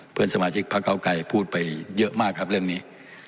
เพื่อนสมาชิกพักเก้าไกรพูดไปเยอะมากครับเรื่องนี้